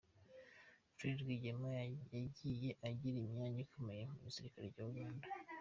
Fred Rwigema yagiye agira imyanya ikomeye mu gisirikare cya Uganda.